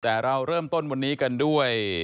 แต่เราเริ่มต้นวันนี้กันด้วย